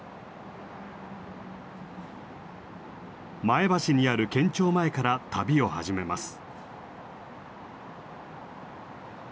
前橋にある県庁前から旅を始めます。